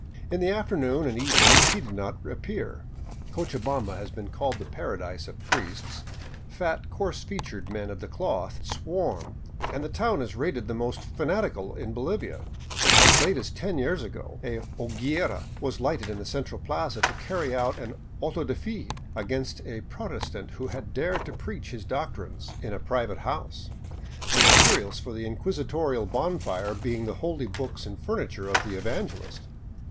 In the afternoon and evening he did not appear. Cochabamba has been called the paradise of priests. Fat, coarse featured men of the cloth swarm, and the town is rated the most fanatical in Bolivia. As late as ten years ago a hogiiera was lighted in the central plaza to carry out an auto de fe against a Protestant who had dared to preach his doctrines in a pri 518 ON FOOT ACROSS TROPICAL BOLIVIA vate house, the materials for the inquisitorial bonfire being the holy books and furniture of the evangelist.